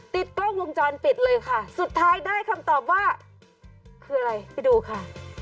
ติดกล้องวงจรปิดเลยค่ะสุดท้ายได้คำตอบว่าคืออะไรไปดูค่ะ